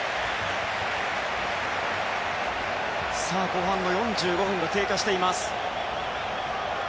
後半４５分が経過しています。